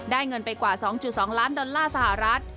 เงินไปกว่า๒๒ล้านดอลลาร์สหรัฐ